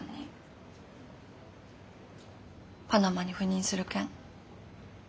パナマに赴任する件。